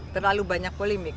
terlalu banyak polemik